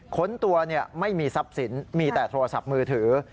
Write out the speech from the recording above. ค้นตัวไม่มีทรัพย์สินมีแต่โทรศัพท์มือถือ